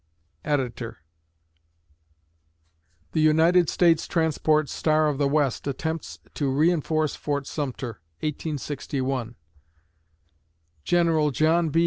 EDITOR] The United States transport "Star of the West" attempts to reinforce Fort Sumter, 1861 _General John B.